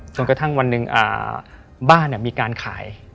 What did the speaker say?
จนกระทั่งวันหนึ่งบ้านมีการขาย